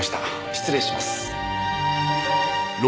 失礼します。